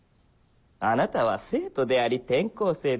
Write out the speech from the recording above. あなたは生徒であり転校生です